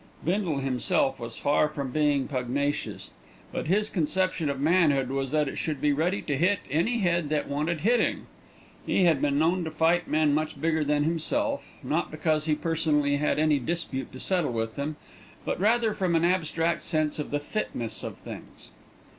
Bindle himself was far from being pugnacious; but his conception of manhood was that it should be ready to hit any head that wanted hitting. He had been known to fight men much bigger than himself, not because he personally had any dispute to settle with them, but rather from an abstract sense of the fitness of things.